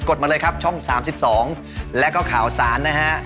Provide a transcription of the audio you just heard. ดมาเลยครับช่อง๓๒แล้วก็ข่าวสารนะฮะ